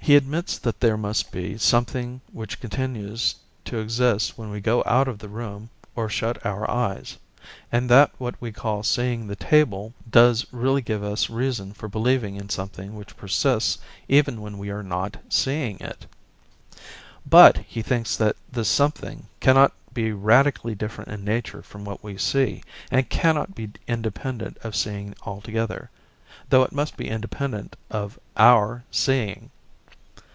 He admits that there must be something which continues to exist when we go out of the room or shut our eyes, and that what we call seeing the table does really give us reason for believing in something which persists even when we are not seeing it. But he thinks that this something cannot be radically different in nature from what we see, and cannot be independent of seeing altogether, though it must be independent of our seeing.